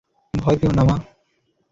ভয় পেয়ো না, মা!